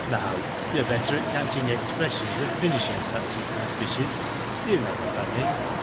" No. You're better at catching expressions, and finishing touches, than fishes. You know what I mean.